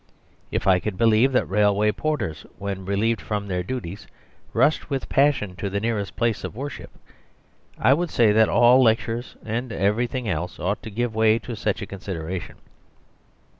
If I could believe that railway porters when relieved from their duties rushed with passion to the nearest place of worship, I should say that all lectures and everything else ought to give way to such a consideration.